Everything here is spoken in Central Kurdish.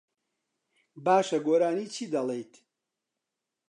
باشە، گۆرانیی چی دەڵێیت؟